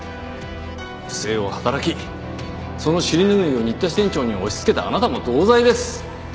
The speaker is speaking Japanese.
不正を働きその尻拭いを新田支店長に押しつけたあなたも同罪です。